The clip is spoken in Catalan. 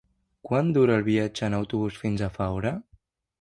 Quant dura el viatge en autobús fins a Faura?